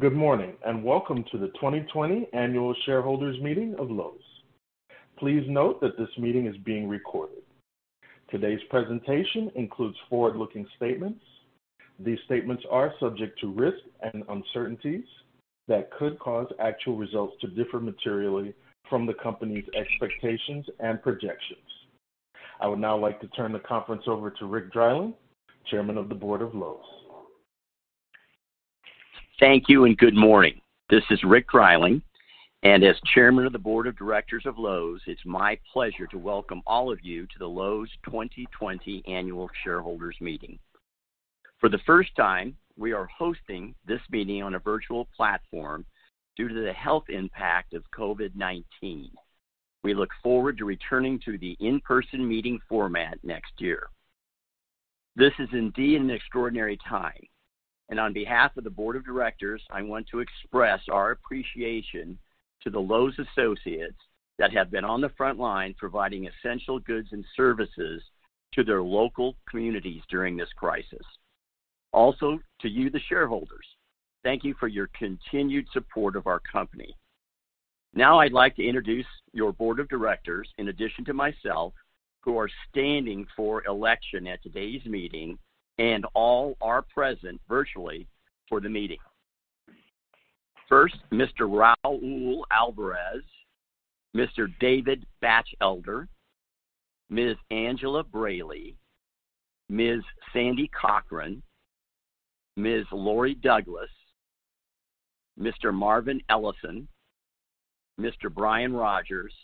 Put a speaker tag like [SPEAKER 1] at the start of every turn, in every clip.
[SPEAKER 1] Good morning, and welcome to the 2020 Annual Shareholders Meeting of Lowe's. Please note that this meeting is being recorded. Today's presentation includes forward-looking statements. These statements are subject to risks and uncertainties that could cause actual results to differ materially from the company's expectations and projections. I would now like to turn the conference over to Rick Dreiling, Chairman of the Board of Lowe's.
[SPEAKER 2] Thank you and good morning. This is Rick Dreiling, as Chairman of the Board of Directors of Lowe's, it's my pleasure to welcome all of you to the Lowe's 2020 Annual Shareholders Meeting. For the first time, we are hosting this meeting on a virtual platform due to the health impact of COVID-19. We look forward to returning to the in-person meeting format next year. This is indeed an extraordinary time, on behalf of the Board of Directors, I want to express our appreciation to the Lowe's associates that have been on the front line providing essential goods and services to their local communities during this crisis. To you, the shareholders, thank you for your continued support of our company. Now I'd like to introduce your Board of Directors, in addition to myself, who are standing for election at today's meeting and all are present virtually for the meeting. First, Mr. Raul Alvarez, Mr. David Batchelder, Ms. Angela Braly, Ms. Sandy Cochran, Ms. Laurie Douglas, Mr. Marvin Ellison, Mr. Brian Rogers,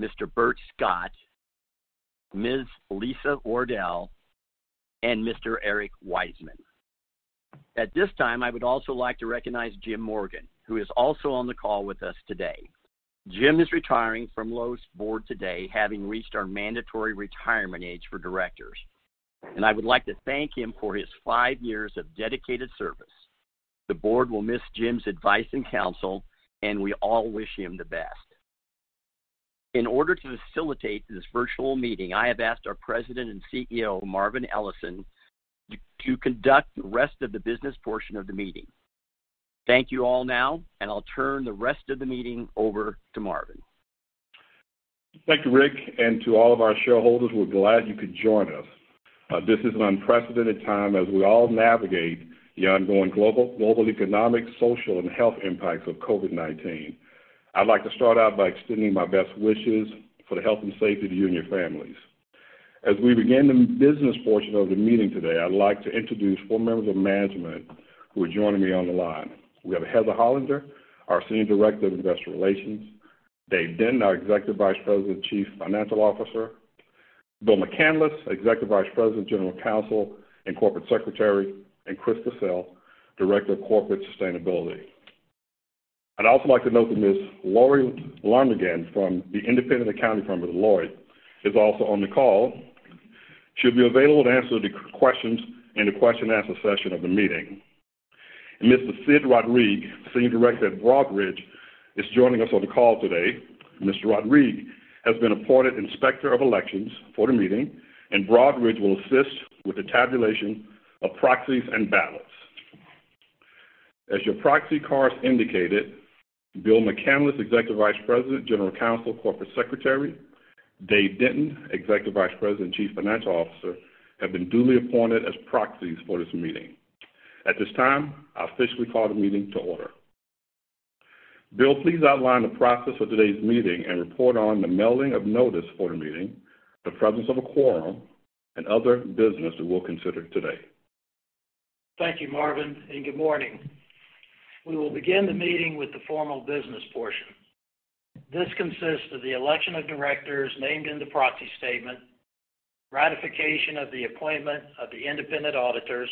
[SPEAKER 2] Mr. Bertram Scott, Ms. Lisa Wardell, and Mr. Eric Wiseman. At this time, I would also like to recognize Jim Morgan, who is also on the call with us today. Jim is retiring from Lowe's board today, having reached our mandatory retirement age for directors, and I would like to thank him for his five years of dedicated service. The board will miss Jim's advice and counsel, and we all wish him the best. In order to facilitate this virtual meeting, I have asked our President and CEO, Marvin Ellison, to conduct the rest of the business portion of the meeting. Thank you all now, I'll turn the rest of the meeting over to Marvin.
[SPEAKER 3] Thank you, Rick, and to all of our shareholders, we're glad you could join us. This is an unprecedented time as we all navigate the ongoing global economic, social, and health impacts of COVID-19. I'd like to start out by extending my best wishes for the health and safety of you and your families. As we begin the business portion of the meeting today, I'd like to introduce four members of management who are joining me on the line. We have Heather Hollander, our Senior Director of Investor Relations, Dave Denton, our Executive Vice President and Chief Financial Officer, Bill McCanless, Executive Vice President, General Counsel, and Corporate Secretary, and Chris Cassell, Director of Corporate Sustainability. I'd also like to note that Ms. Lori Lundgren from the independent accounting firm of Deloitte is also on the call. She'll be available to answer the questions in the question and answer session of the meeting. Mr. Sid Rodrigue, Senior Director at Broadridge, is joining us on the call today. Mr. Rodrigue has been appointed inspector of election for the meeting, and Broadridge will assist with the tabulation of proxies and ballots. As your proxy cards indicated, Bill McCanless, Executive Vice President, General Counsel, Corporate Secretary, Dave Denton, Executive Vice President and Chief Financial Officer, have been duly appointed as proxies for this meeting. At this time, I officially call the meeting to order. Bill, please outline the process for today's meeting and report on the mailing of notice for the meeting, the presence of a quorum, and other business that we'll consider today.
[SPEAKER 4] Thank you, Marvin, and good morning. We will begin the meeting with the formal business portion. This consists of the election of directors named in the proxy statement, ratification of the appointment of the independent auditors,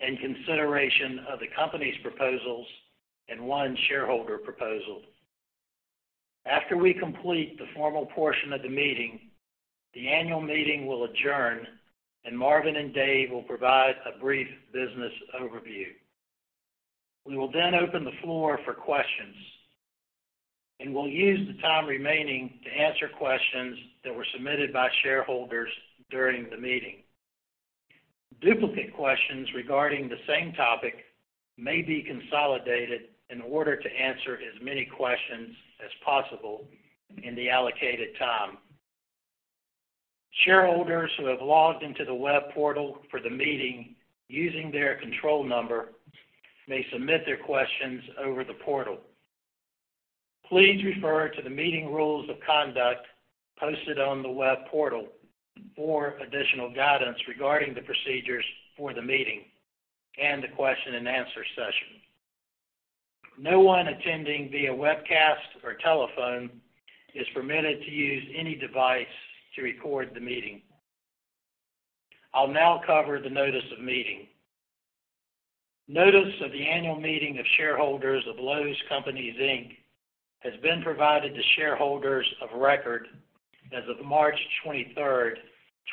[SPEAKER 4] and consideration of the company's proposals and one shareholder proposal. After we complete the formal portion of the meeting, the annual meeting will adjourn and Marvin and Dave will provide a brief business overview. We will then open the floor for questions, and we'll use the time remaining to answer questions that were submitted by shareholders during the meeting. Duplicate questions regarding the same topic may be consolidated in order to answer as many questions as possible in the allocated time. Shareholders who have logged into the web portal for the meeting using their control number may submit their questions over the portal. Please refer to the meeting rules of conduct posted on the web portal for additional guidance regarding the procedures for the meeting and the question and answer session. No one attending via webcast or telephone is permitted to use any device to record the meeting. I'll now cover the notice of meeting. Notice of the annual meeting of shareholders of Lowe's Companies, Inc. has been provided to shareholders of record as of March 23rd,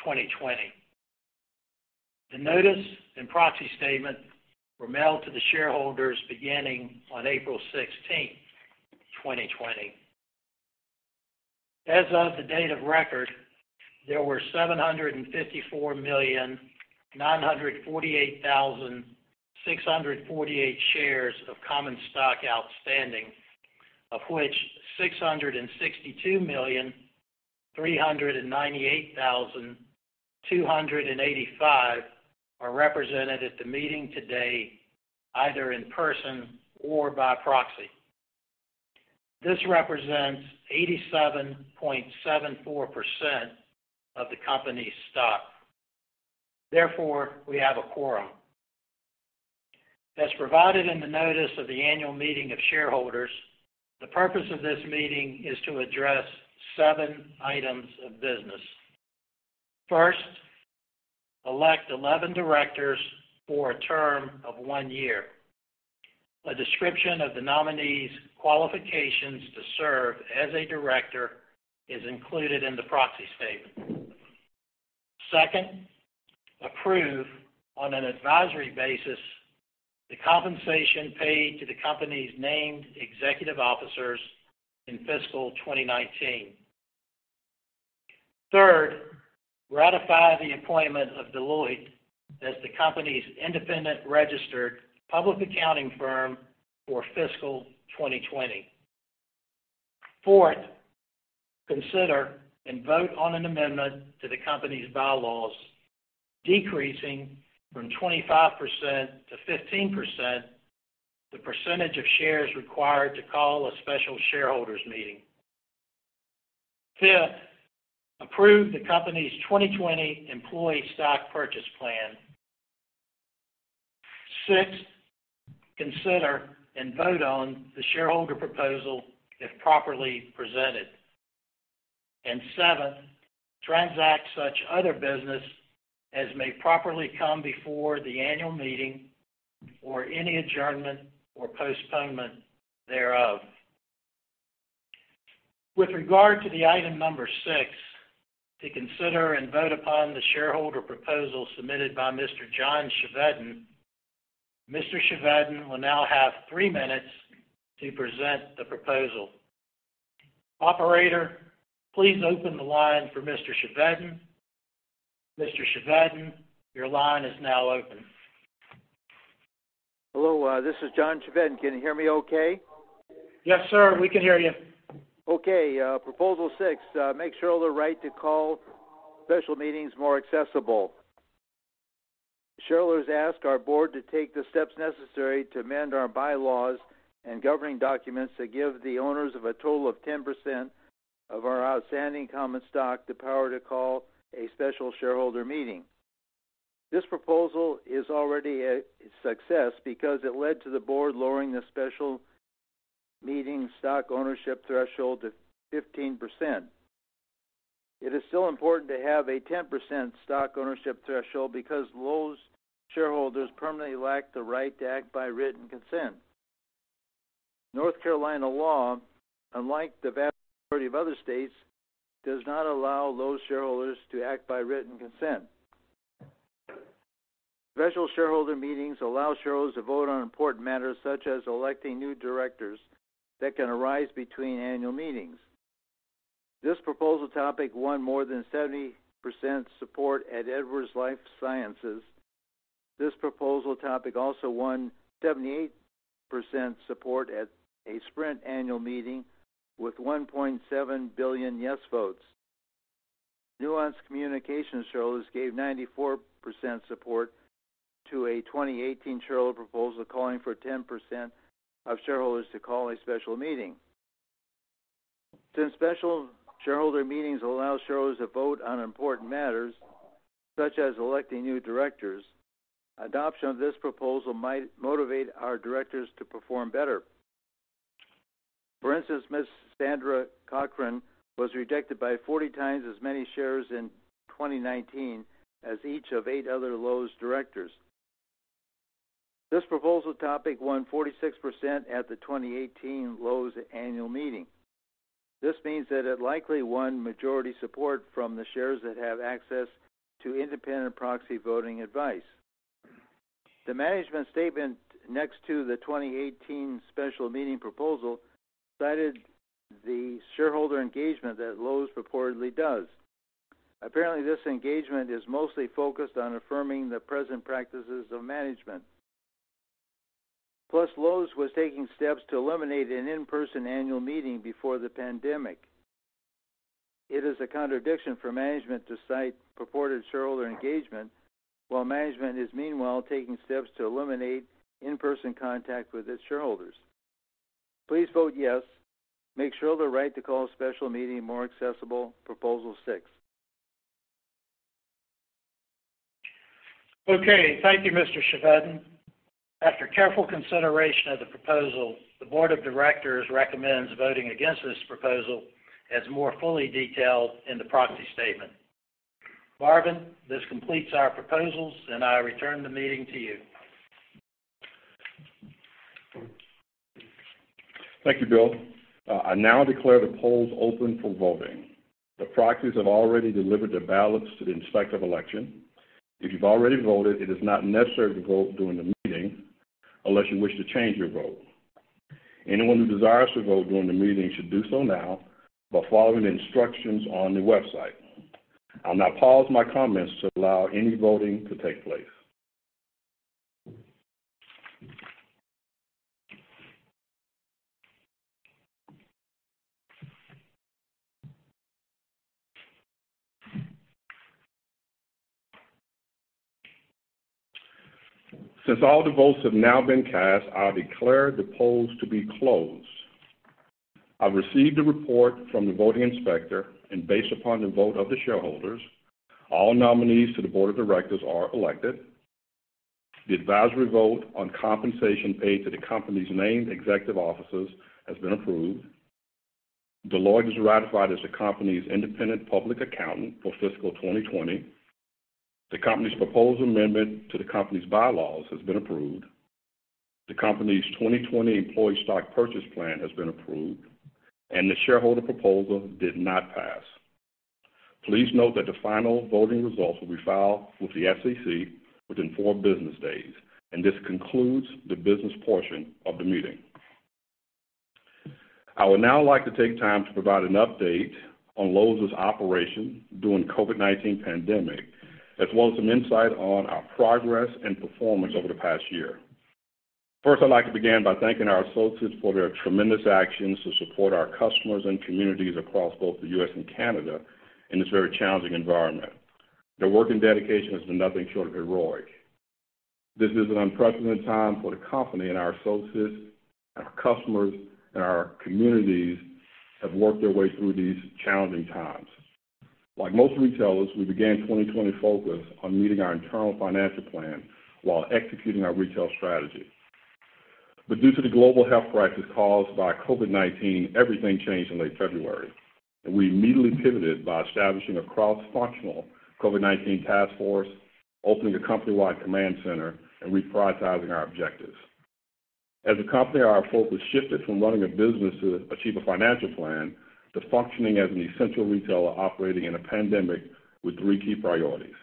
[SPEAKER 4] 2020. The notice and proxy statement were mailed to the shareholders beginning on April 16th, 2020. As of the date of record, there were 754,948,648 shares of common stock outstanding, of which 662,398,285 are represented at the meeting today, either in person or by proxy. This represents 87.74% of the company's stock. Therefore, we have a quorum. As provided in the notice of the annual meeting of shareholders, the purpose of this meeting is to address seven items of business. First, elect 11 directors for a term of one year. A description of the nominees' qualifications to serve as a director is included in the proxy statement. Second, approve on an advisory basis the compensation paid to the company's named executive officers in fiscal 2019. Third, ratify the appointment of Deloitte as the company's independent registered public accounting firm for fiscal 2020. Fourth, consider and vote on an amendment to the company's bylaws, decreasing from 25% to 15% the percentage of shares required to call a special shareholders meeting. Fifth, approve the company's 2020 employee stock purchase plan. Sixth, consider and vote on the shareholder proposal if properly presented. Seventh, transact such other business as may properly come before the annual meeting or any adjournment or postponement thereof. With regard to the item number 6, to consider and vote upon the shareholder proposal submitted by Mr. John Chevedden, Mr. Chevedden will now have three minutes to present the proposal. Operator, please open the line for Mr. Chevedden. Mr. Chevedden, your line is now open.
[SPEAKER 5] Hello, this is John Chevedden. Can you hear me okay?
[SPEAKER 4] Yes, sir. We can hear you.
[SPEAKER 5] Proposal 6, make shareholder right to call special meetings more accessible. Shareholders ask our board to take the steps necessary to amend our bylaws and governing documents to give the owners of a total of 10% of our outstanding common stock the power to call a special shareholder meeting. This proposal is already a success because it led to the board lowering the special meeting stock ownership threshold to 15%. It is still important to have a 10% stock ownership threshold because Lowe's shareholders permanently lack the right to act by written consent. North Carolina law, unlike the vast majority of other states, does not allow Lowe's shareholders to act by written consent. Special shareholder meetings allow shareholders to vote on important matters such as electing new directors that can arise between annual meetings. This proposal topic won more than 70% support at Edwards Lifesciences. This proposal topic also won 78% support at a Sprint annual meeting with 1.7 billion yes votes. Nuance Communications shareholders gave 94% support to a 2018 shareholder proposal calling for 10% of shareholders to call a special meeting. Since special shareholder meetings allow shareholders to vote on important matters, such as electing new directors, adoption of this proposal might motivate our directors to perform better. For instance, Ms. Sandra Cochran was rejected by 40 times as many shares in 2019 as each of eight other Lowe's directors. This proposal topic won 46% at the 2018 Lowe's annual meeting. This means that it likely won majority support from the shares that have access to independent proxy voting advice. The management statement next to the 2018 special meeting proposal cited the shareholder engagement that Lowe's reportedly does. Apparently, this engagement is mostly focused on affirming the present practices of management. Lowe's was taking steps to eliminate an in-person annual meeting before the pandemic. It is a contradiction for management to cite purported shareholder engagement while management is meanwhile taking steps to eliminate in-person contact with its shareholders. Please vote yes. Make shareholder right to call a special meeting more accessible, proposal six.
[SPEAKER 4] Okay. Thank you, Mr. Chevedden. After careful consideration of the proposal, the Board of Directors recommends voting against this proposal as more fully detailed in the proxy statement. Marvin, this completes our proposals, I return the meeting to you.
[SPEAKER 3] Thank you, Bill. I now declare the polls open for voting. The proxies have already delivered their ballots to the Inspector of Election. If you've already voted, it is not necessary to vote during the meeting unless you wish to change your vote. Anyone who desires to vote during the meeting should do so now by following the instructions on the website. I'll now pause my comments to allow any voting to take place. Since all the votes have now been cast, I declare the polls to be closed. I've received a report from the voting inspector, and based upon the vote of the shareholders, all nominees to the Board of Directors are elected. The advisory vote on compensation paid to the company's named executive officers has been approved. Deloitte is ratified as the company's independent public accountant for fiscal 2020. The company's proposed amendment to the company's bylaws has been approved. The company's 2020 employee stock purchase plan has been approved, and the shareholder proposal did not pass. Please note that the final voting results will be filed with the SEC within four business days, and this concludes the business portion of the meeting. I would now like to take time to provide an update on Lowe's operation during COVID-19 pandemic, as well as some insight on our progress and performance over the past year. First, I'd like to begin by thanking our associates for their tremendous actions to support our customers and communities across both the U.S. and Canada in this very challenging environment. Their work and dedication has been nothing short of heroic. This is an unprecedented time for the company and our associates, and our customers, and our communities have worked their way through these challenging times. Like most retailers, we began 2020 focused on meeting our internal financial plan while executing our retail strategy. Due to the global health crisis caused by COVID-19, everything changed in late February, and we immediately pivoted by establishing a cross-functional COVID-19 task force, opening a company-wide command center, and reprioritizing our objectives. As a company, our focus shifted from running a business to achieve a financial plan to functioning as an essential retailer operating in a pandemic with three key priorities.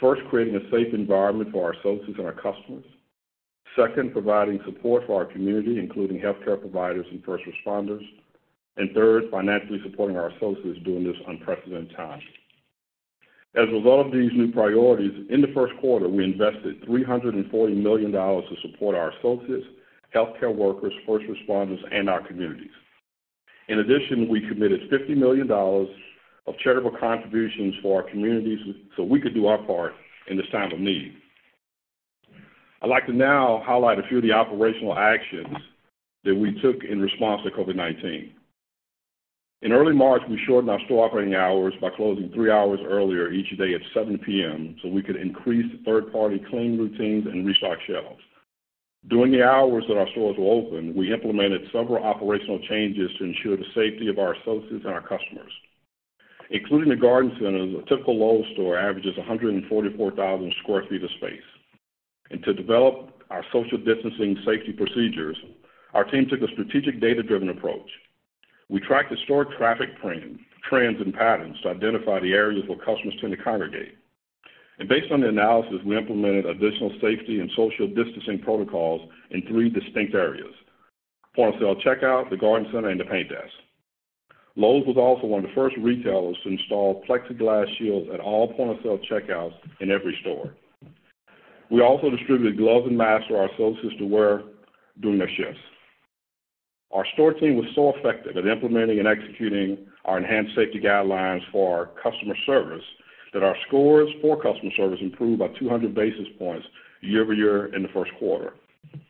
[SPEAKER 3] First, creating a safe environment for our associates and our customers. Second, providing support for our community, including healthcare providers and first responders. Third, financially supporting our associates during this unprecedented time. As a result of these new priorities, in the first quarter, we invested $340 million to support our associates, healthcare workers, first responders, and our communities. In addition, we committed $50 million of charitable contributions for our communities so we could do our part in this time of need. I'd like to now highlight a few of the operational actions that we took in response to COVID-19. In early March, we shortened our store operating hours by closing three hours earlier each day at 7:00 P.M. so we could increase third-party cleaning routines and restock shelves. During the hours that our stores were open, we implemented several operational changes to ensure the safety of our associates and our customers, including the garden centers. A typical Lowe's store averages 144,000 sq ft of space. To develop our social distancing safety procedures, our team took a strategic data-driven approach. We tracked the store traffic trends and patterns to identify the areas where customers tend to congregate. Based on the analysis, we implemented additional safety and social distancing protocols in three distinct areas: point of sale checkout, the garden center, and the paint desk. Lowe's was also one of the first retailers to install plexiglass shields at all point of sale checkouts in every store. We also distributed gloves and masks for our associates to wear during their shifts. Our store team was so effective at implementing and executing our enhanced safety guidelines for our customer service that our scores for customer service improved by 200 basis points year-over-year in the first quarter.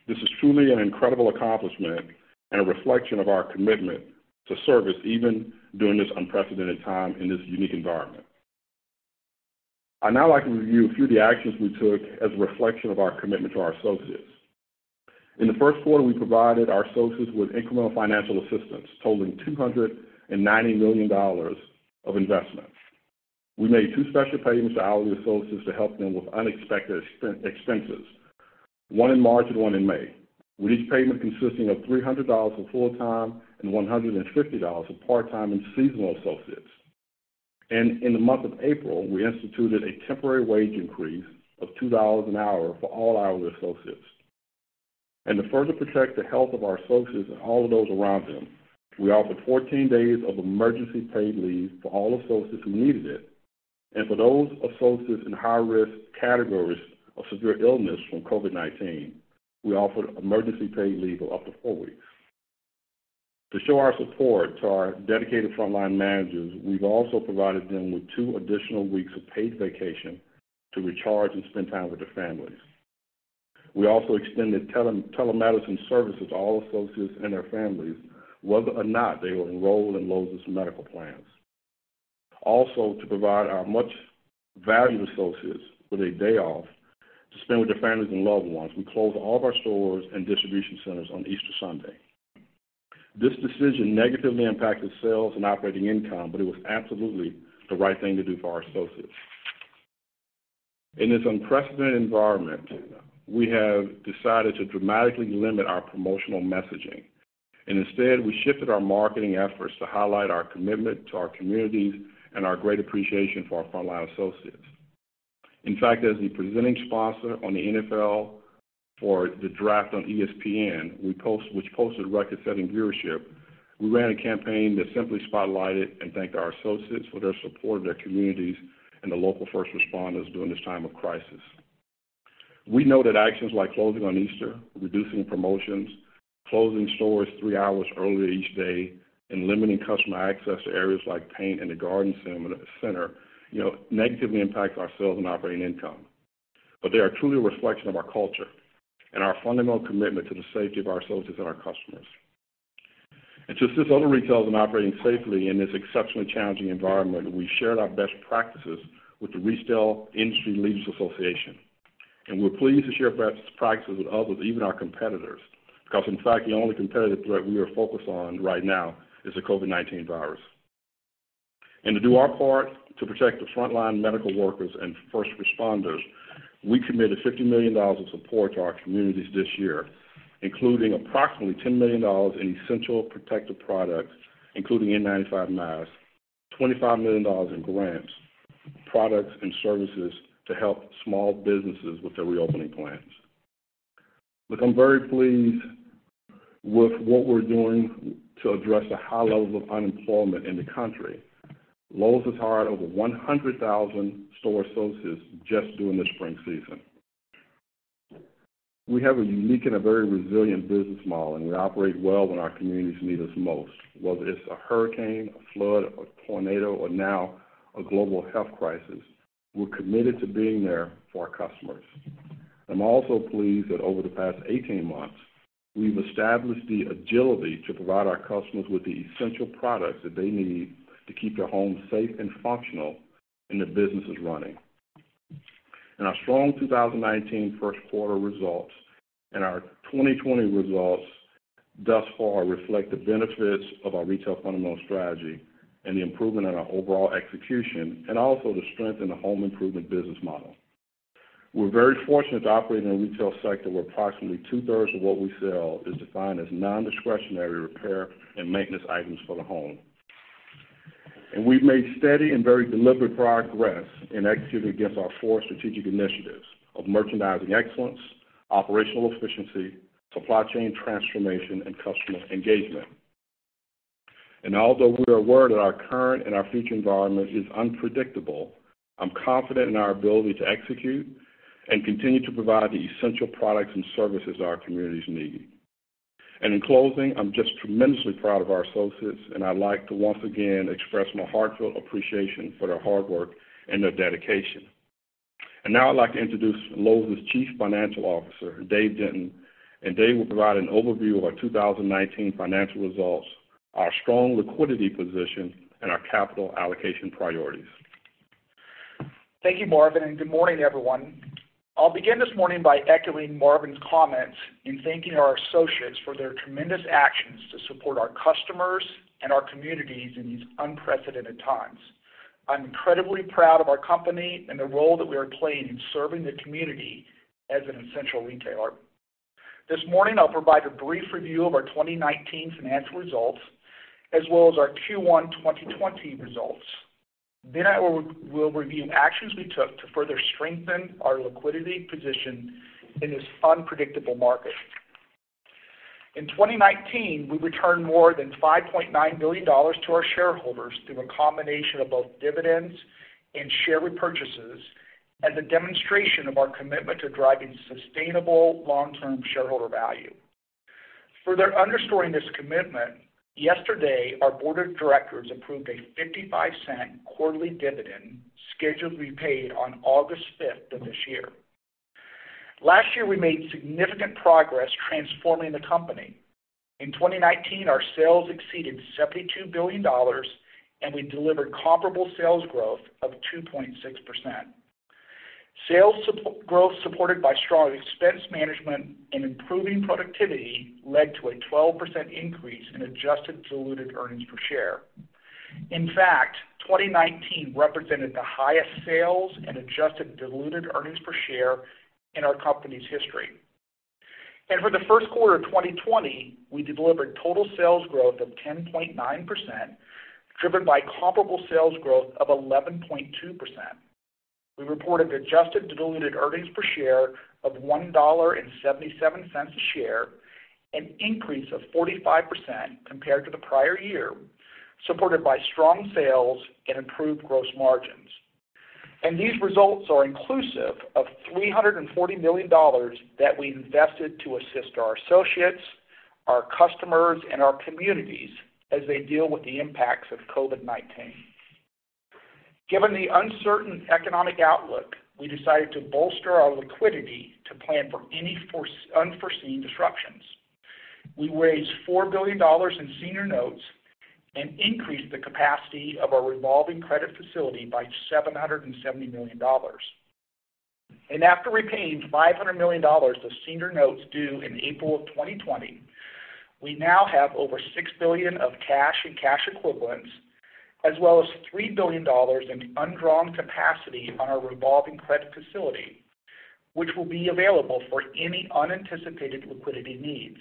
[SPEAKER 3] This is truly an incredible accomplishment and a reflection of our commitment to service even during this unprecedented time in this unique environment. I'd now like to review a few of the actions we took as a reflection of our commitment to our associates. In the first quarter, we provided our associates with incremental financial assistance totaling $290 million of investment. We made two special payments to hourly associates to help them with unexpected expenses, one in March and one in May, with each payment consisting of $300 for full-time and $150 for part-time and seasonal associates. In the month of April, we instituted a temporary wage increase of $2 an hour for all hourly associates. To further protect the health of our associates and all of those around them, we offered 14 days of emergency paid leave for all associates who needed it, and for those associates in high-risk categories of severe illness from COVID-19, we offered emergency paid leave of up to four weeks. To show our support to our dedicated frontline managers, we've also provided them with two additional weeks of paid vacation to recharge and spend time with their families. We also extended telemedicine services to all associates and their families, whether or not they were enrolled in Lowe's medical plans. To provide our much valued associates with a day off to spend with their families and loved ones, we closed all of our stores and distribution centers on Easter Sunday. This decision negatively impacted sales and operating income, but it was absolutely the right thing to do for our associates. In this unprecedented environment, we have decided to dramatically limit our promotional messaging. Instead, we shifted our marketing efforts to highlight our commitment to our communities and our great appreciation for our frontline associates. In fact, as the presenting sponsor on the NFL for the Draft on ESPN, which posted record-setting viewership, we ran a campaign that simply spotlighted and thanked our associates for their support of their communities and the local first responders during this time of crisis. We know that actions like closing on Easter Sunday, reducing promotions, closing stores three hours early each day, and limiting customer access to areas like paint and the garden center negatively impact our sales and operating income. They are truly a reflection of our culture and our fundamental commitment to the safety of our associates and our customers. To assist other retailers in operating safely in this exceptionally challenging environment, we shared our best practices with the Retail Industry Leaders Association. We're pleased to share best practices with others, even our competitors, because in fact, the only competitive threat we are focused on right now is the COVID-19 virus. To do our part to protect the frontline medical workers and first responders, we committed $50 million of support to our communities this year, including approximately $10 million in essential protective products, including N95 masks, $25 million in grants, products, and services to help small businesses with their reopening plans. Look, I'm very pleased with what we're doing to address the high levels of unemployment in the country. Lowe's has hired over 100,000 store associates just during the spring season. We have a unique and a very resilient business model, and we operate well when our communities need us most, whether it's a hurricane, a flood, a tornado, or now a global health crisis. We're committed to being there for our customers. I'm also pleased that over the past 18 months, we've established the agility to provide our customers with the essential products that they need to keep their homes safe and functional, and their businesses running. Our strong 2019 first quarter results and our 2020 results thus far reflect the benefits of our Retail Fundamentals strategy and the improvement in our overall execution, and also the strength in the home improvement business model. We're very fortunate to operate in a retail sector where approximately 2/3 of what we sell is defined as non-discretionary repair and maintenance items for the home. We've made steady and very deliberate progress in executing against our four strategic initiatives of Merchandising Excellence, Operational Efficiency, Supply Chain Transformation, and Customer Engagement. Although we are aware that our current and our future environment is unpredictable, I'm confident in our ability to execute and continue to provide the essential products and services our communities need. In closing, I'm just tremendously proud of our associates, and I'd like to once again express my heartfelt appreciation for their hard work and their dedication. Now I'd like to introduce Lowe's Chief Financial Officer, Dave Denton, and Dave will provide an overview of our 2019 financial results, our strong liquidity position, and our capital allocation priorities.
[SPEAKER 6] Thank you, Marvin. Good morning, everyone. I'll begin this morning by echoing Marvin's comments in thanking our associates for their tremendous actions to support our customers and our communities in these unprecedented times. I'm incredibly proud of our company and the role that we are playing in serving the community as an essential retailer. This morning, I'll provide a brief review of our 2019 financial results, as well as our Q1 2020 results. I will review actions we took to further strengthen our liquidity position in this unpredictable market. In 2019, we returned more than $5.9 billion to our shareholders through a combination of both dividends and share repurchases as a demonstration of our commitment to driving sustainable long-term shareholder value. Further underscoring this commitment, yesterday, our Board of Directors approved a $0.55 quarterly dividend scheduled to be paid on August 5th of this year. Last year, we made significant progress transforming the company. In 2019, our sales exceeded $72 billion, and we delivered comparable sales growth of 2.6%. Sales growth supported by strong expense management and improving productivity led to a 12% increase in adjusted diluted earnings per share. In fact, 2019 represented the highest sales and adjusted diluted earnings per share in our company's history. For the first quarter of 2020, we delivered total sales growth of 10.9%, driven by comparable sales growth of 11.2%. We reported adjusted diluted earnings per share of $1.77 a share, an increase of 45% compared to the prior year, supported by strong sales and improved gross margins. These results are inclusive of $340 million that we invested to assist our associates, our customers, and our communities as they deal with the impacts of COVID-19. Given the uncertain economic outlook, we decided to bolster our liquidity to plan for any unforeseen disruptions. We raised $4 billion in senior notes and increased the capacity of our revolving credit facility by $770 million. After repaying $500 million of senior notes due in April of 2020, we now have over $6 billion of cash and cash equivalents, as well as $3 billion in undrawn capacity on our revolving credit facility, which will be available for any unanticipated liquidity needs.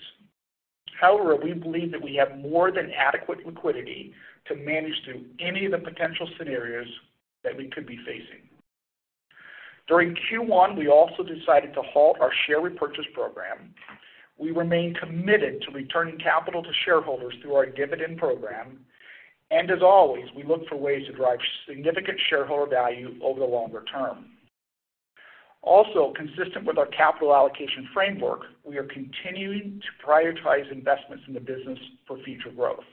[SPEAKER 6] However, we believe that we have more than adequate liquidity to manage through any of the potential scenarios that we could be facing. During Q1, we also decided to halt our share repurchase program. We remain committed to returning capital to shareholders through our dividend program, and as always, we look for ways to drive significant shareholder value over the longer term. Also, consistent with our capital allocation framework, we are continuing to prioritize investments in the business for future growth.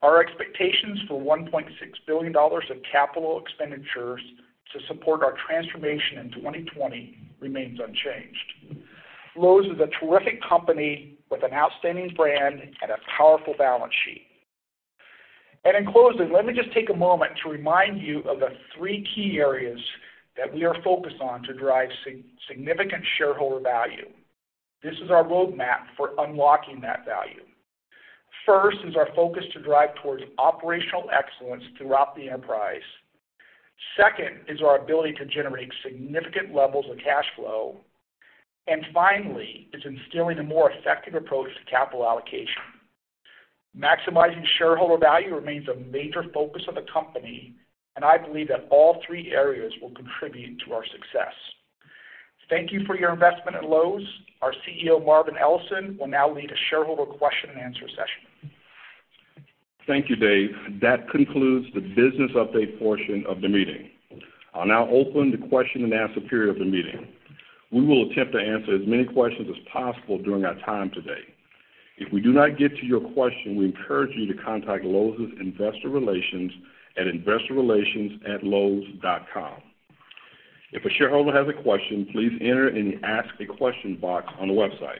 [SPEAKER 6] Our expectations for $1.6 billion of capital expenditures to support our transformation in 2020 remains unchanged. Lowe's is a terrific company with an outstanding brand and a powerful balance sheet. In closing, let me just take a moment to remind you of the three key areas that we are focused on to drive significant shareholder value. This is our roadmap for unlocking that value. First is our focus to drive towards operational excellence throughout the enterprise. Second is our ability to generate significant levels of cash flow. Finally, is instilling a more effective approach to capital allocation. Maximizing shareholder value remains a major focus of the company, and I believe that all three areas will contribute to our success. Thank you for your investment at Lowe's. Our CEO, Marvin Ellison, will now lead a shareholder question and answer session.
[SPEAKER 3] Thank you, Dave. That concludes the business update portion of the meeting. I'll now open the question and answer period of the meeting. We will attempt to answer as many questions as possible during our time today. If we do not get to your question, we encourage you to contact Lowe's Investor Relations at investorrelations@lowes.com. If a shareholder has a question, please enter it in the Ask a Question box on the website.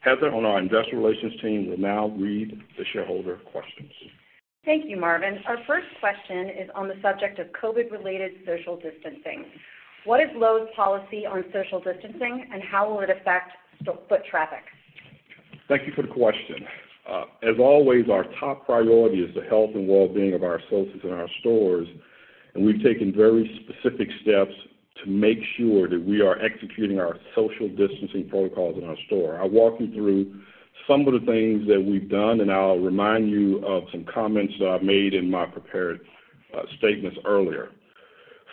[SPEAKER 3] Heather on our Investor Relations team will now read the shareholder questions.
[SPEAKER 7] Thank you, Marvin. Our first question is on the subject of COVID-related social distancing. What is Lowe's policy on social distancing, and how will it affect foot traffic?
[SPEAKER 3] Thank you for the question. As always, our top priority is the health and well-being of our associates in our stores, and we've taken very specific steps to make sure that we are executing our social distancing protocols in our store. I'll walk you through some of the things that we've done, and I'll remind you of some comments that I've made in my prepared statements earlier.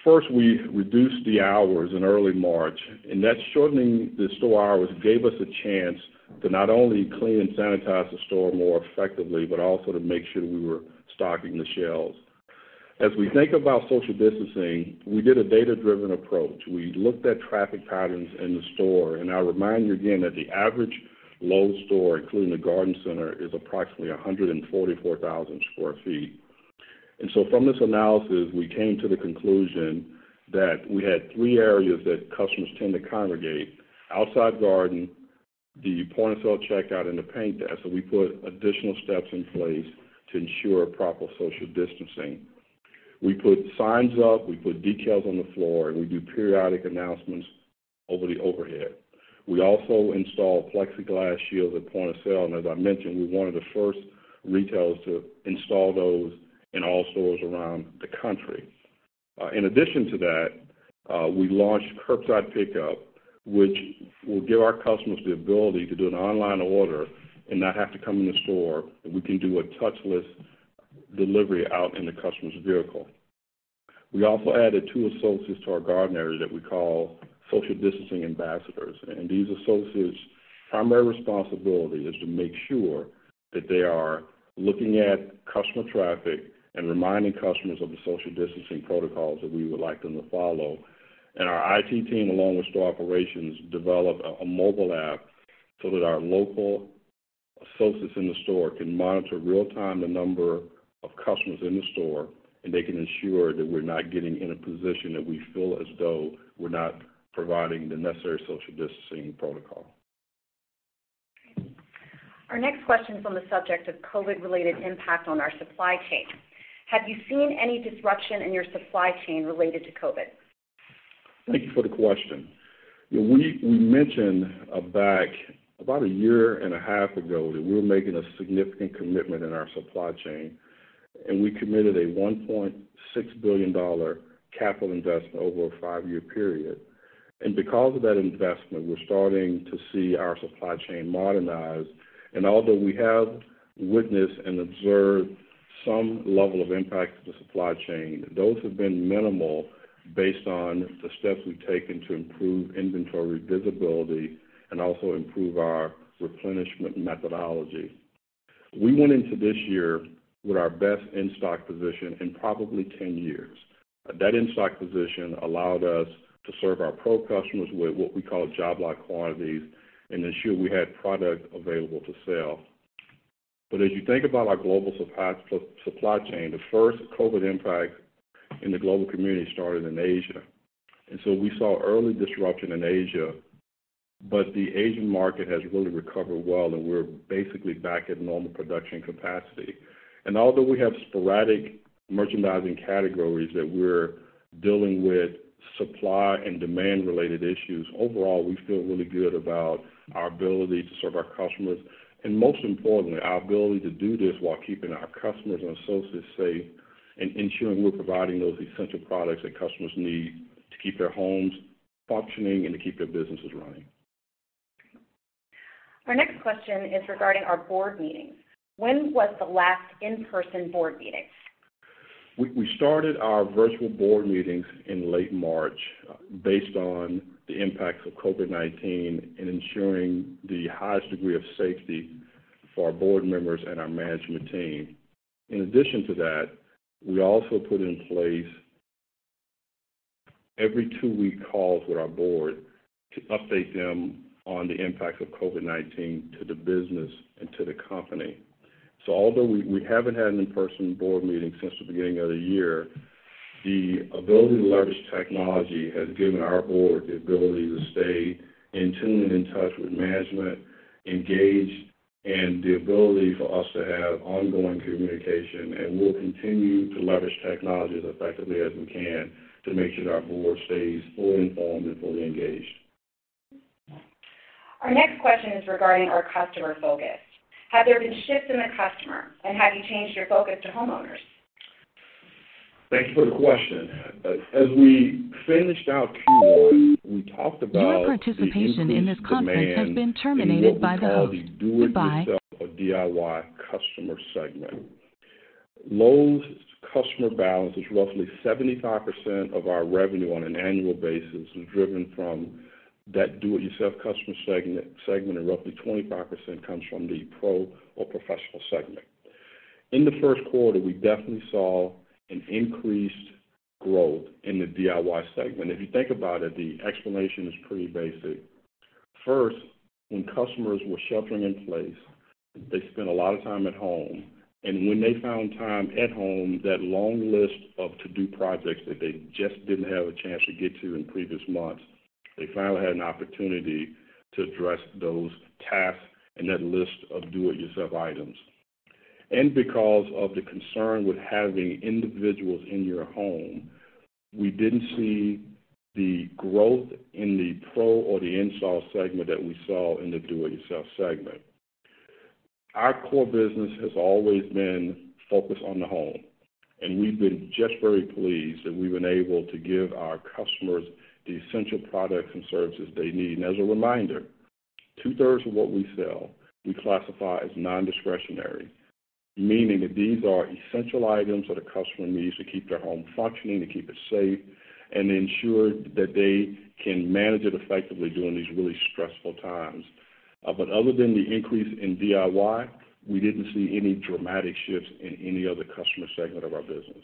[SPEAKER 3] First, we reduced the hours in early March, and that shortening the store hours gave us a chance to not only clean and sanitize the store more effectively but also to make sure we were stocking the shelves. As we think about social distancing, we did a data-driven approach. We looked at traffic patterns in the store, and I'll remind you again that the average Lowe's store, including the garden center, is approximately 144,000 square feet. From this analysis, we came to the conclusion that we had three areas that customers tend to congregate: Outside Garden, the point of sale checkout, and the paint desk. We put additional steps in place to ensure proper social distancing. We put signs up, we put decals on the floor, and we do periodic announcements over the overhead. We also installed plexiglass shields at point of sale, and as I mentioned, we were one of the first retailers to install those in all stores around the country. In addition to that, we launched curbside pickup, which will give our customers the ability to do an online order and not have to come in the store, and we can do a touchless delivery out in the customer's vehicle. We also added two associates to our garden area that we call social distancing ambassadors. These associates' primary responsibility is to make sure that they are looking at customer traffic and reminding customers of the social distancing protocols that we would like them to follow. Our IT team, along with store operations, developed a mobile app so that our local associates in the store can monitor real time the number of customers in the store, and they can ensure that we're not getting in a position that we feel as though we're not providing the necessary social distancing protocol.
[SPEAKER 7] Our next question is on the subject of COVID-related impact on our supply chain. Have you seen any disruption in your supply chain related to COVID?
[SPEAKER 3] Thank you for the question. We mentioned back about a year and a half ago that we were making a significant commitment in our supply chain. We committed a $1.6 billion capital investment over a five-year period. Because of that investment, we're starting to see our supply chain modernized. Although we have witnessed and observed some level of impact to the supply chain, those have been minimal based on the steps we've taken to improve inventory visibility and also improve our replenishment methodology. We went into this year with our best in-stock position in probably 10 years. That in-stock position allowed us to serve our pro customers with what we call job lot quantities and ensure we had product available to sell. As you think about our global supply chain, the first COVID-19 impact in the global community started in Asia. We saw early disruption in Asia, but the Asian market has really recovered well, and we're basically back at normal production capacity. Although we have sporadic merchandising categories that we're dealing with supply and demand-related issues, overall, we feel really good about our ability to serve our customers and, most importantly, our ability to do this while keeping our customers and associates safe and ensuring we're providing those essential products that customers need to keep their homes functioning and to keep their businesses running.
[SPEAKER 7] Our next question is regarding our board meetings. When was the last in-person board meeting?
[SPEAKER 3] We started our virtual board meetings in late March based on the impacts of COVID-19 and ensuring the highest degree of safety for our board members and our management team. In addition to that, we also put in place every two-week calls with our board to update them on the impacts of COVID-19 to the business and to the company. Although we haven't had an in-person board meeting since the beginning of the year, the ability to leverage technology has given our board the ability to stay in tune and in touch with management, engaged, and the ability for us to have ongoing communication. We'll continue to leverage technology as effectively as we can to make sure that our board stays fully informed and fully engaged.
[SPEAKER 7] Our next question is regarding our customer focus. Have there been shifts in the customer, and have you changed your focus to homeowners?
[SPEAKER 3] Thank you for the question. As we finished out Q1, we talked about the increased demand. in what we call the do-it-yourself or DIY customer segment. Lowe's customer balance is roughly 75% of our revenue on an annual basis is driven from that do-it-yourself customer segment, and roughly 25% comes from the pro or professional segment. In the first quarter, we definitely saw an increased growth in the DIY segment. If you think about it, the explanation is pretty basic. First, when customers were sheltering in place, they spent a lot of time at home, and when they found time at home, that long list of to-do projects that they just didn't have a chance to get to in previous months, they finally had an opportunity to address those tasks and that list of do-it-yourself items. Because of the concern with having individuals in your home, we didn't see the growth in the pro or the install segment that we saw in the DIY segment. Our core business has always been focused on the home, and we've been just very pleased that we've been able to give our customers the essential products and services they need. As a reminder, 2/3 of what we sell we classify as non-discretionary, meaning that these are essential items that a customer needs to keep their home functioning, to keep it safe, and ensure that they can manage it effectively during these really stressful times. Other than the increase in DIY, we didn't see any dramatic shifts in any other customer segment of our business.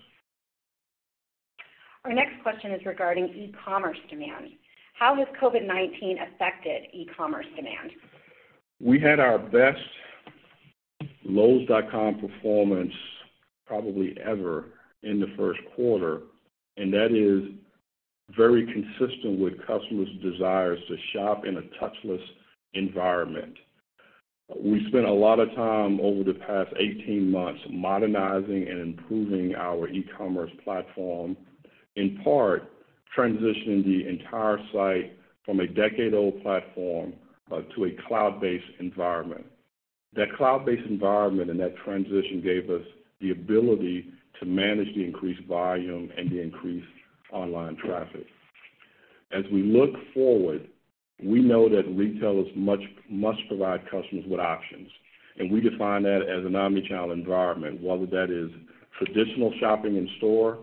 [SPEAKER 7] Our next question is regarding e-commerce demand. How has COVID-19 affected e-commerce demand?
[SPEAKER 3] We had our best Lowes.com performance probably ever in the first quarter, and that is very consistent with customers' desires to shop in a touchless environment. We spent a lot of time over the past 18 months modernizing and improving our e-commerce platform, in part transitioning the entire site from a decade-old platform to a cloud-based environment. That cloud-based environment and that transition gave us the ability to manage the increased volume and the increased online traffic. As we look forward, we know that retailers must provide customers with options. We define that as an omnichannel environment, whether that is traditional shopping in store,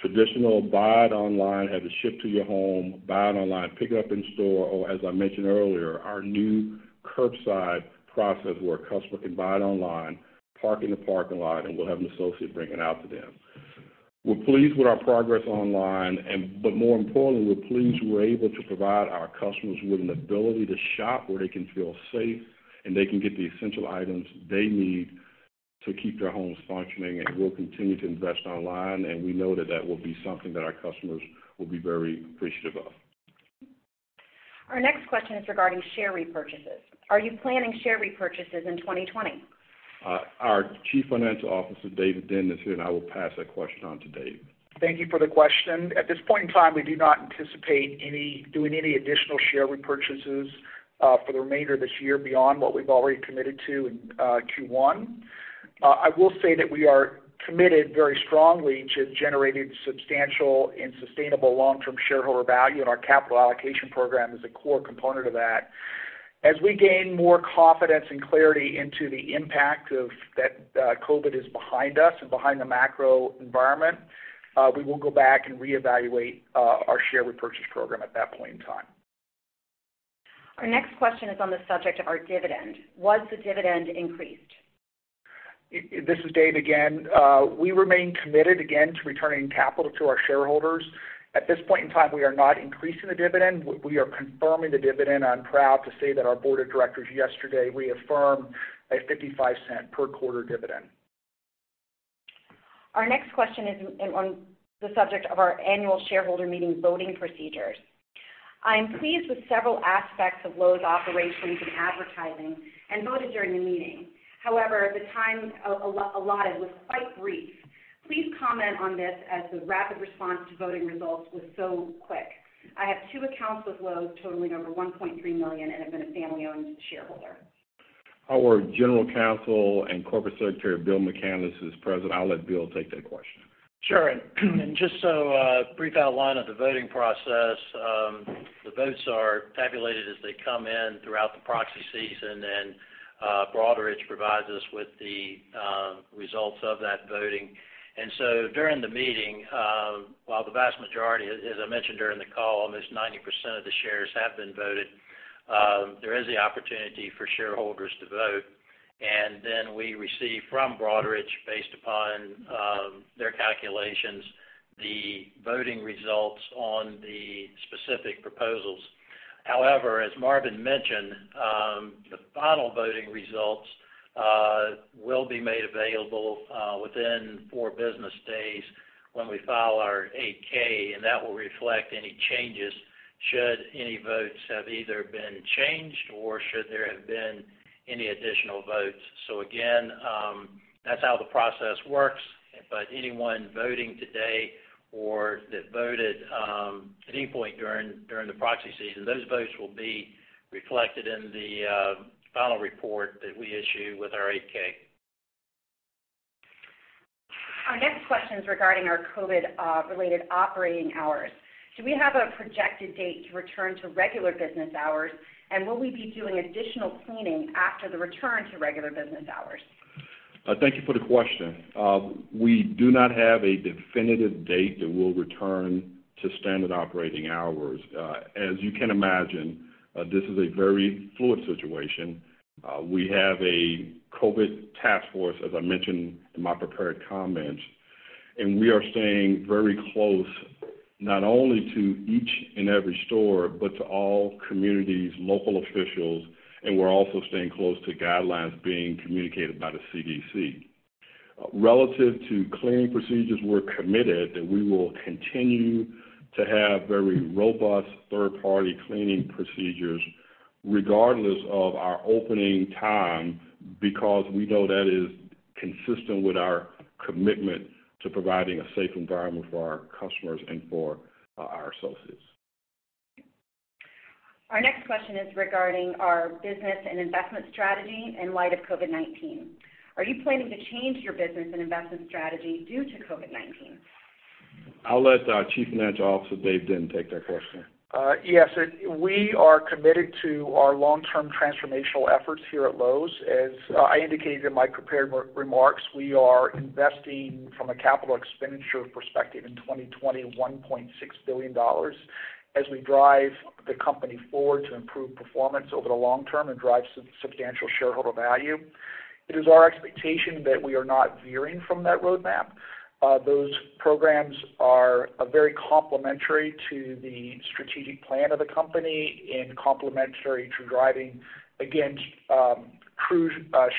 [SPEAKER 3] traditional buy it online, have it shipped to your home, buy it online, pick it up in store, or as I mentioned earlier, our new curbside process where a customer can buy it online, park in the parking lot, and we'll have an associate bring it out to them. We're pleased with our progress online. More importantly, we're pleased we're able to provide our customers with an ability to shop where they can feel safe and they can get the essential items they need to keep their homes functioning. We'll continue to invest online. We know that that will be something that our customers will be very appreciative of.
[SPEAKER 7] Our next question is regarding share repurchases. Are you planning share repurchases in 2020?
[SPEAKER 3] Our Chief Financial Officer, Dave Denton, is here, and I will pass that question on to Dave.
[SPEAKER 6] Thank you for the question. At this point in time, we do not anticipate doing any additional share repurchases for the remainder of this year beyond what we've already committed to in Q1. I will say that we are committed very strongly to generating substantial and sustainable long-term shareholder value, and our capital allocation program is a core component of that. As we gain more confidence and clarity into the impact of that COVID-19 is behind us and behind the macro environment, we will go back and reevaluate our share repurchase program at that point in time.
[SPEAKER 7] Our next question is on the subject of our dividend. Was the dividend increased?
[SPEAKER 6] This is Dave again. We remain committed again to returning capital to our shareholders. At this point in time, we are not increasing the dividend. We are confirming the dividend. I'm proud to say that our board of directors yesterday reaffirmed a $0.55 per quarter dividend.
[SPEAKER 7] Our next question is on the subject of our annual shareholder meeting voting procedures. I am pleased with several aspects of Lowe's operations and advertising and voted during the meeting. The time allotted was quite brief. Please comment on this as the rapid response to voting results was so quick. I have two accounts with Lowe's totaling over $1.3 million and have been a family-owned shareholder.
[SPEAKER 3] Our General Counsel and Corporate Secretary, Bill McCanless, is present. I'll let Bill take that question.
[SPEAKER 4] Sure. Just so a brief outline of the voting process, the votes are tabulated as they come in throughout the proxy season, Broadridge provides us with the results of that voting. During the meeting, while the vast majority, as I mentioned during the call, almost 90% of the shares have been voted, there is the opportunity for shareholders to vote. We receive from Broadridge, based upon their calculations, the voting results on the specific proposals. However, as Marvin mentioned, the final voting results will be made available within four business days when we file our 8-K, and that will reflect any changes should any votes have either been changed or should there have been any additional votes. Again, that's how the process works. Anyone voting today or that voted at any point during the proxy season, those votes will be reflected in the final report that we issue with our 8-K.
[SPEAKER 7] Our next question's regarding our COVID-related operating hours. Do we have a projected date to return to regular business hours, and will we be doing additional cleaning after the return to regular business hours?
[SPEAKER 3] Thank you for the question. We do not have a definitive date that we'll return to standard operating hours. As you can imagine, this is a very fluid situation. We have a COVID task force, as I mentioned in my prepared comments, we are staying very close, not only to each and every store, but to all communities, local officials, and we're also staying close to guidelines being communicated by the CDC. Relative to cleaning procedures, we're committed that we will continue to have very robust third-party cleaning procedures regardless of our opening time because we know that is consistent with our commitment to providing a safe environment for our customers and for our associates.
[SPEAKER 7] Our next question is regarding our business and investment strategy in light of COVID-19. Are you planning to change your business and investment strategy due to COVID-19?
[SPEAKER 3] I'll let our Chief Financial Officer, Dave Denton, take that question.
[SPEAKER 6] Yes. We are committed to our long-term transformational efforts here at Lowe's. As I indicated in my prepared remarks, we are investing from a capital expenditure perspective in 2020, $1.6 billion as we drive the company forward to improve performance over the long term and drive substantial shareholder value. It is our expectation that we are not veering from that roadmap. Those programs are very complementary to the strategic plan of the company and complementary to driving, again, true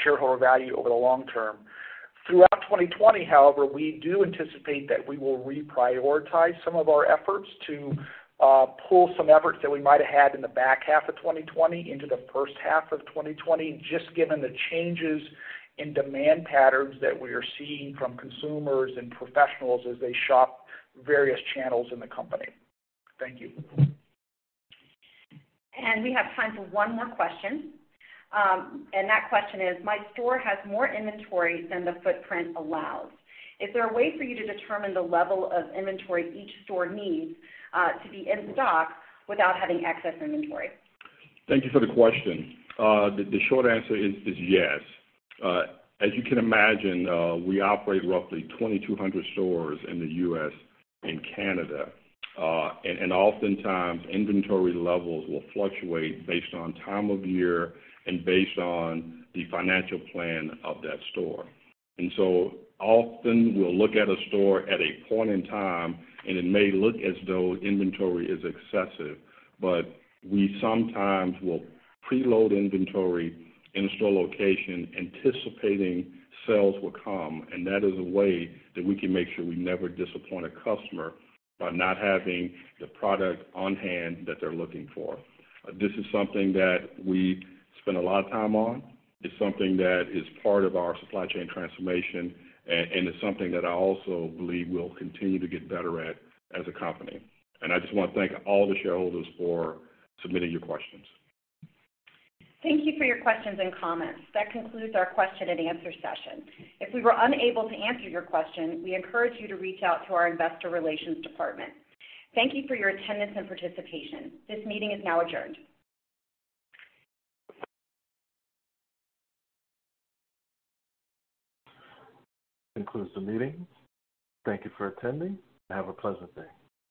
[SPEAKER 6] shareholder value over the long term. Throughout 2020, however, we do anticipate that we will reprioritize some of our efforts to pull some efforts that we might have had in the back half of 2020 into the first half of 2020, just given the changes in demand patterns that we are seeing from consumers and professionals as they shop various channels in the company. Thank you.
[SPEAKER 7] We have time for one more question. That question is: My store has more inventory than the footprint allows. Is there a way for you to determine the level of inventory each store needs to be in stock without having excess inventory?
[SPEAKER 3] Thank you for the question. The short answer is yes. As you can imagine, we operate roughly 2,200 stores in the U.S. and Canada. Oftentimes, inventory levels will fluctuate based on time of year and based on the financial plan of that store. Often we'll look at a store at a point in time and it may look as though inventory is excessive, but we sometimes will preload inventory in a store location anticipating sales will come and that is a way that we can make sure we never disappoint a customer by not having the product on hand that they're looking for. This is something that we spend a lot of time on. It's something that is part of our supply chain transformation, and it's something that I also believe we'll continue to get better at as a company. I just want to thank all the shareholders for submitting your questions.
[SPEAKER 7] Thank you for your questions and comments. That concludes our question and answer session. If we were unable to answer your question, we encourage you to reach out to our investor relations department. Thank you for your attendance and participation. This meeting is now adjourned.
[SPEAKER 1] Concludes the meeting. Thank you for attending and have a pleasant day.